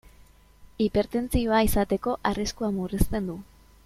Hipertentsioa izateko arriskua murrizten du.